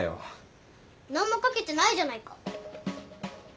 何も書けてないじゃないか。